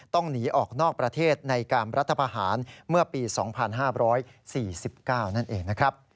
ต้องหนีออกนอกประเทศในการรัฐพาหารเมื่อปี๒๕๔๙นั่นเองนะครับ